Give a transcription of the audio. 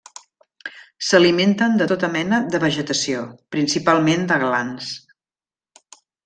S'alimenten de tota mena de vegetació, principalment de glans.